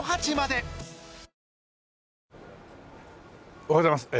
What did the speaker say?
おはようございます。